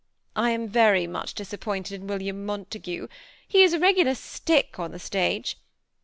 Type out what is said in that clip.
I am very much disappointed in William Montague ; he is a regular stick on the stage.